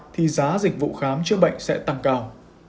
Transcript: thì giá dịch vụ khám chữa bệnh sẽ tăng cao